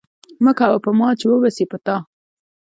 مه کوه په ما، چي وبه سي په تا